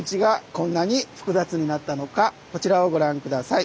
こちらをご覧下さい。